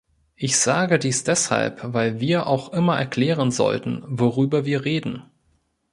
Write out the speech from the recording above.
Ich sage dies deshalb, weil wir auch immer erklären sollten, worüber wir reden.